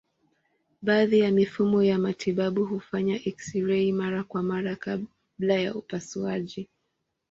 Baadhi ya mifumo ya matibabu hufanya eksirei mara kwa mara kabla ya upasuaji.